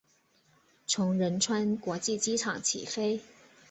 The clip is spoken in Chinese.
从仁川国际机场起飞。